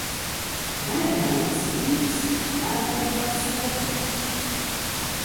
B?d?j?s viens, b?d?j?s otrs.